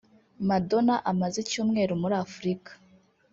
Madonna amaze icyumweru muri Afurika